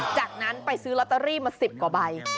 จากนั้นไปซื้อลอตเตอรี่มา๑๐กว่าใบ